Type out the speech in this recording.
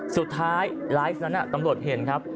สุดท้ายไลฟ์นั้นตำรวจเห็นครับ